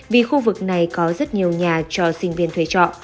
vì khu vực này có rất nhiều nhà cho sinh viên thuê trọ